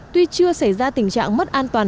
tuy chưa xảy ra tình trạng mất an toàn